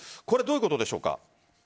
これどういうことでしょうか？